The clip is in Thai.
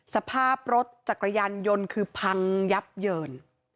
สภาพรถจักรยานยนต์คือพังยับเยิน